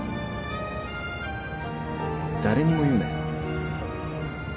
誰にも言うなよ。